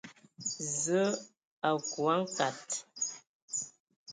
Zǝə a aku a nkad.